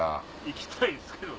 行きたいですけど。